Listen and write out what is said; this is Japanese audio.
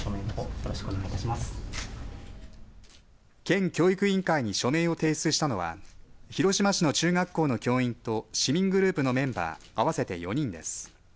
県教育委員会に署名を提出したのは広島市の中学校の教員と市民グループのメンバー合わせて４人です。